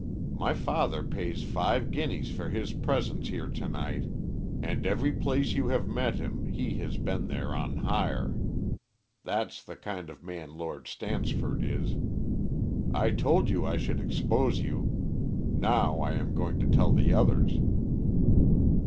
My father pays five guineas for his presence here to night, and every place you have met him, he has been there on hire. That's the kind of man Lord Stansford is. I told you I should expose you. Now I am going to tell the others."